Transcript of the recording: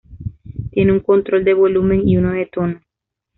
Tiene un control de volumen y uno de tono.